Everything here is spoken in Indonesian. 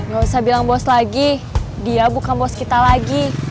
gak usah bilang bos lagi dia buka bos kita lagi